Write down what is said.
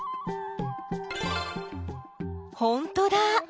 ほんとだ！